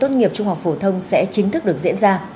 tốt nghiệp trung học phổ thông sẽ chính thức được diễn ra